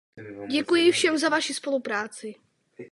Děkuji všem za vaši spolupráci.